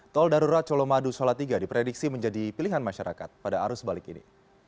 tol darurat colomadu salatiga diprediksi menjadi pilihan masyarakat pada arus balik ini